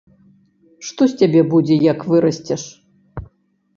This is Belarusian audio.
Што з цябе будзе, як вырасцеш?